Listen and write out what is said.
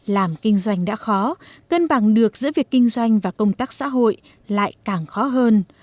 làm kinh doanh đã khó cân bằng được giữa việc kinh doanh và công tác xã hội lại càng khó hơn